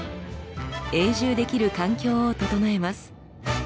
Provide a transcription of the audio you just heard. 永住できる環境を整えます。